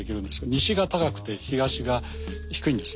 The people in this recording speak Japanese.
西が高くて東が低いんです。